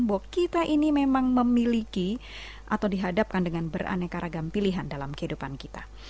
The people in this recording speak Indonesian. bahwa kita ini memang memiliki atau dihadapkan dengan beraneka ragam pilihan dalam kehidupan kita